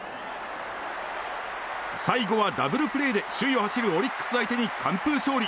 最後はダブルプレーで首位を走るオリックス相手に完封勝利。